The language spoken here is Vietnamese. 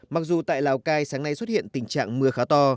mặc dù tại lào cai sáng nay xuất hiện tình trạng mưa khá to